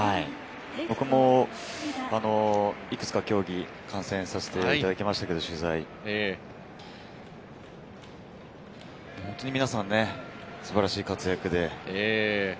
僕もいくつか競技を観戦させていただきましたけど、本当に皆さん素晴らしい活躍で。